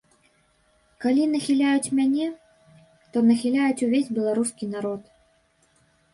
Калі нахіляюць мяне, то нахіляюць увесь беларускі народ.